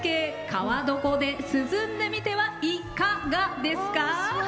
川床で涼んでみてはいかがですか？